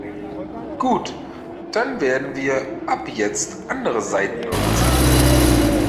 Gut, dann werden wir ab jetzt andere Saiten aufziehen.